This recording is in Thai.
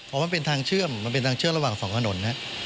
เพราะมันเป็นทางเชื่อมมันเป็นทางเชื่อมระหว่างสองถนน